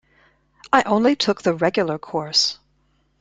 ‘I only took the regular course.’